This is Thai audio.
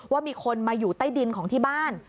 ว่ามีคนมาอยู่ใต้ดินของที่บ้าน